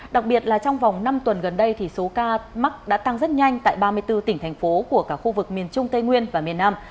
đặc biệt là trong vòng năm tuần gần đây thì số ca mắc đã tăng rất nhanh tại ba mươi bốn tỉnh thành phố của cả khu vực miền trung tây nguyên và miền nam